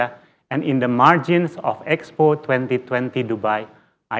dan di jangkaan expo dua ribu dua puluh dubai